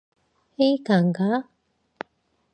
이해가 안 가.